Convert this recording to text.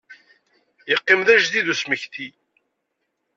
Yeqqim d ajedid usmekti.